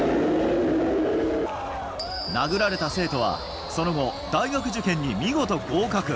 殴られた生徒はその後、大学受験に見事合格。